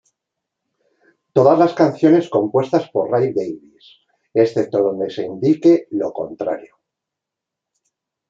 Todas las canciones compuestas por Ray Davies, excepto donde se indique lo contrario.